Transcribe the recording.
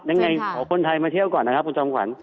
ยังไงขอคนไทยมาเที่ยวก่อนนะครับคุณจอมขวัญ